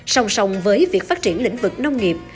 sòng sòng với việc phát triển lĩnh vực nông nghiệp